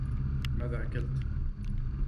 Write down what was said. ماذا أكلت؟